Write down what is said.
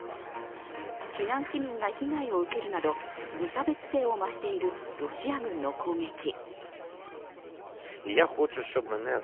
避難市民が被害を受けるなど無差別性を増しているロシア軍の攻撃。